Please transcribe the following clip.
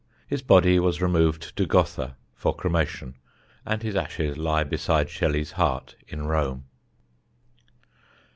His body was removed to Gotha for cremation, and his ashes lie beside Shelley's heart in Rome.